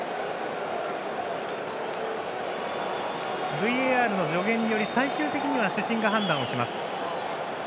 ＶＡＲの助言により最終的には主審が判断をします。